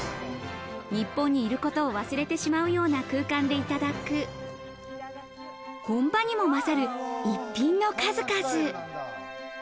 日本にいること忘れてしまうような空間でいただく、本場にも勝る、逸品の数々。